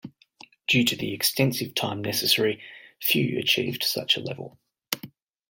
Due to the extensive time necessary, few achieved such a level.